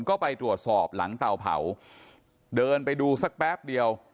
ก็ไปตรวจสอบหลังเตาเผาเดินไปดูสักแป๊บเดียว